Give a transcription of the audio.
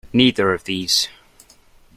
Neither of these.